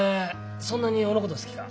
そんなに俺のこと好きか？